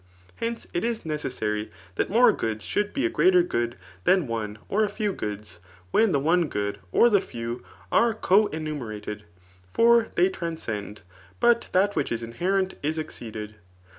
] Hence, it is necessary that more jgoods should be a greater good than one or a CHAP. TIK RHBTOaiCr 39 few goods, when the one good or the few afe co eBome^ rated ; for they transcend ; but that which is inherent is exceeded.